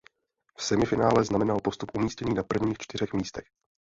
V semifinále znamenal postup umístění na prvních čtyřech místech.